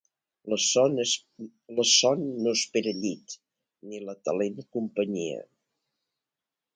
La son no espera llit, ni la talent companyia.